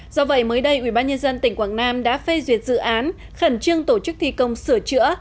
do vậy mới đây ubnd tỉnh quảng nam đã phê duyệt dự án khẩn trương tổ chức thi công sửa chữa